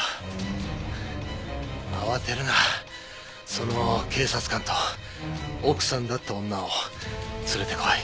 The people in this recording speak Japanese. その警察官と奥さんだって女を連れてこい。